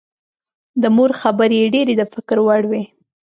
د مور خبرې یې ډېرې د فکر وړ وې